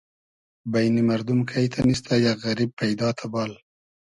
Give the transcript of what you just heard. بݷنی مئردوم کݷ تئنیستۂ یئگ غئریب پݷدا تئبال